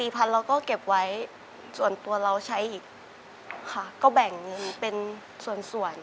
เราก็เก็บไว้ส่วนตัวเราใช้อีกค่ะก็แบ่งเงินเป็นส่วน